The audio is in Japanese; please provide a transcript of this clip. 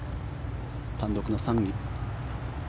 単独の３位。